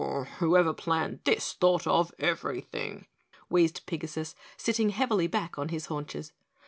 "Whoever planned this thought of everything," wheezed Pigasus, sitting heavily back on his haunches.